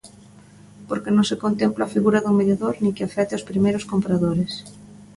Porque non se contempla a figura dun mediador nin que afecte aos primeiros compradores.